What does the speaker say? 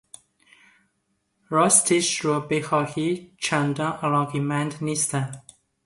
راستش را بخواهی چندان علاقهمند نیستم.